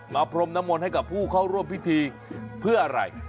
มาปรมนามลให้กับผู้เข้าร่วมพิธีเพื่ออะไร